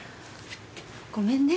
ごめんね。